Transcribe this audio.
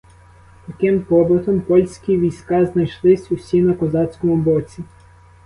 Таким побитом польські війська знайшлись усі на козацькому боці.